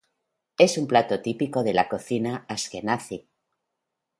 Es un plato típico de la cocina Askenazí.